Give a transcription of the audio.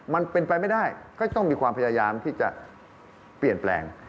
มันเป็นไปไม่ได้ก็ต้องมีความพยายามที่จะเปลี่ยนแปลง